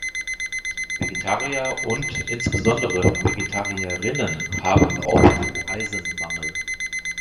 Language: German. Vegetarier und insbesondere Vegetarierinnen haben oft Eisenmangel.